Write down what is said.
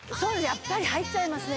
やっぱり入っちゃいますね